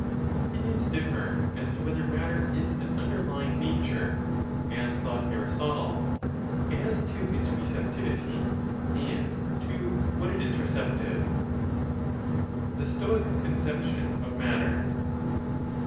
Opinions differ as to whether matter is an underlying nature (as thought Aristotle), as to its receptivity, and to what it is receptive. THE STOIC CONCEPTION OF MATTER.